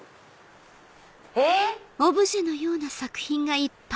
えっ？